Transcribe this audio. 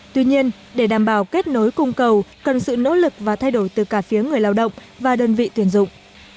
tuy nhiên để đảm bảo kết nối cung cầu cần sự nỗ lực và thay đổi từ cả phía người lao động và đơn vị tuyển dụng